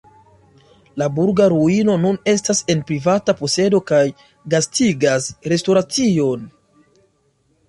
La burga ruino nun estas en privata posedo kaj gastigas restoracion.